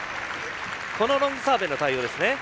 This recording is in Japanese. このロングサーブへの対応ですね。